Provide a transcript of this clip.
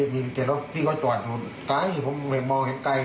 มี๗รถพี่เขาจอดตายผมไม่มองแข็งใกล้